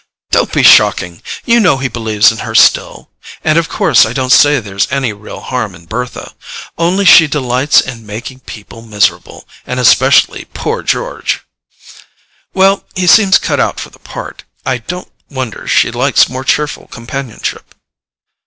"Don't be shocking! You know he believes in her still. And of course I don't say there's any real harm in Bertha. Only she delights in making people miserable, and especially poor George." "Well, he seems cut out for the part—I don't wonder she likes more cheerful companionship."